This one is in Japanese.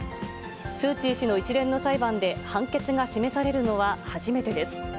スー・チー氏の一連の裁判で判決が示されるのは初めてです。